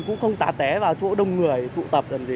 cũng không tà té vào chỗ đông người tụ tập